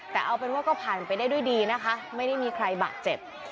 แต่เอาเป็นว่าก็ผ่านไปได้ด้วยดีนะคะไม่ได้มีใครบาดเจ็บ